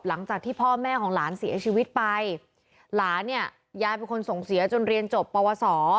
หลังจากที่พ่อแม่ของหลานเสียชีวิตไปหลานเนี่ยยายเป็นคนส่งเสียจนเรียนจบปวสอ